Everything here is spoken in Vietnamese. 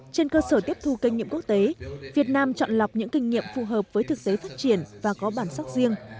trên cơ sở tiếp thu kinh nghiệm quốc tế việt nam chọn lọc những kinh nghiệm phù hợp với thực tế phát triển và có bản sắc riêng